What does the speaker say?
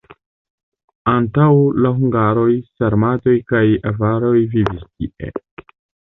Antaŭ la hungaroj sarmatoj kaj avaroj vivis tie.